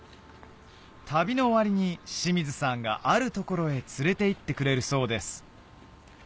旅の終わりに清水さんがある所へ連れていってくれるそうです